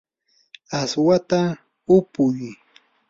aswata upuy.